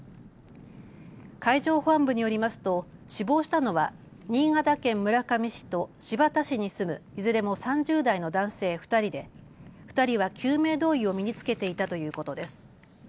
海上保安部によりますと死亡したのは新潟県村上市と新発田市に住むいずれも３０代の男性２人で２人は救命胴衣を身に着けていたということです。